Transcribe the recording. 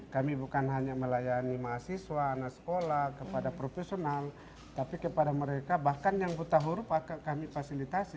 kami bukan hanya melayani mahasiswa anak sekolah kepada profesional tapi kepada mereka bahkan yang buta huruf kami fasilitasi